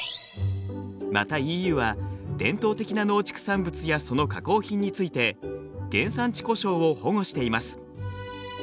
またＥＵは伝統的な農畜産物やその加工品について原産地呼称を保護しています。